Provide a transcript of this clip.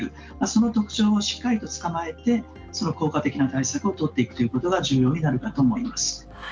その特徴をしっかりとつかまえて効果的な対策をとっていくということが重要になるかと思います。